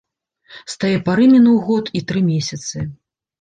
З тае пары мінуў год і тры месяцы.